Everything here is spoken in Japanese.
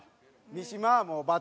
三島はもう×。